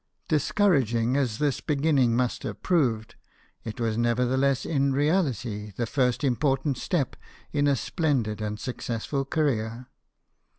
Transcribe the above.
Discouraging as this beginning must have proved, it was nevertheless in reality the first important step in a splendid and successful career.